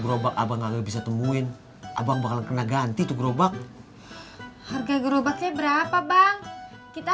gerobak abang agak bisa temuin abang bakal kena ganti tuh gerobak harga gerobaknya berapa bang kita